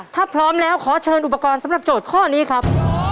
ถ้าพร้อมแล้วขอเชิญอุปกรณ์สำหรับโจทย์ข้อนี้ครับ